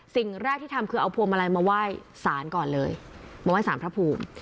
สิ่งแรกที่ทำคือเอาพวงมาลัยมาไหว้สารก่อนเลยมาไหว้สารพระภูมิ